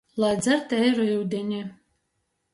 Lai dzer teiru iudini!